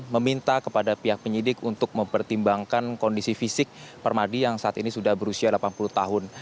meminta kepada pihak penyidik untuk mempertimbangkan kondisi fisik permadi yang saat ini sudah berusia delapan puluh tahun